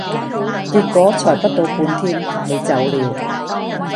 結果才不到半天，你走了。